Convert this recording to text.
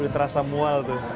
sudah terasa mual